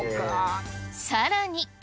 さらに。